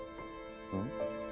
うん？